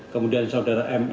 kemudian saudara mn